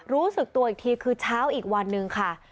รู้สึกตัวอีกทีคือเช้าอีกวันนึงค่ะ